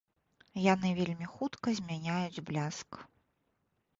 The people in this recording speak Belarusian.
Яны вельмі хутка змяняюць бляск.